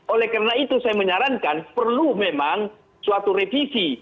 oleh karena itu saya menyarankan perlu memang suatu revisi